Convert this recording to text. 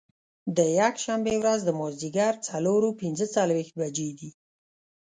د یکشنبې ورځ د مازدیګر څلور پنځه څلوېښت بجې دي.